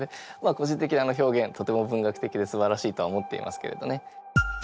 個人的にあの表現とても文学的ですばらしいとは思っていますけれどね。